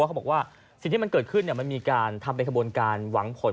เขาบอกว่าสิ่งที่มันเกิดขึ้นมันมีการทำเป็นขบวนการหวังผล